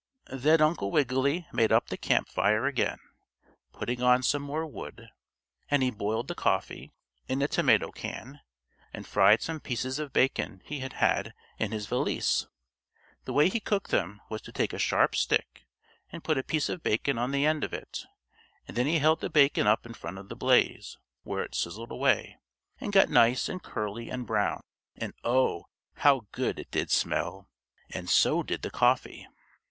Then Uncle Wiggily made up the camp fire again, putting on some more wood, and he boiled the coffee, in a tomato can, and fried some pieces of bacon he had in his valise. The way he cooked them was to take a sharp stick and put a piece of bacon on the end of it, and then he held the bacon up in front of the blaze, where it sizzled away, and got nice and curly and brown, and oh! how good it did smell, and so did the coffee!